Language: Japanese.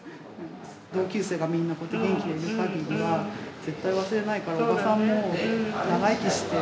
同級生がみんな元気でいるかぎりは絶対忘れないからおばさんも長生きして。